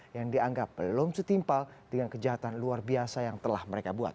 yang dianggap belum setimpal dengan kejahatan luar biasa yang telah mereka buat